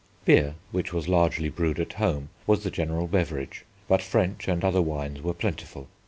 Beer, which was largely brewed at home, was the general beverage, but French and other wines were plentiful.